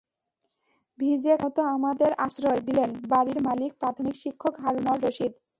ভিজে কাকের মতো আমাদের আশ্রয় দিলেন বাড়ির মালিক প্রাথমিক শিক্ষক হারুনর রশীদ।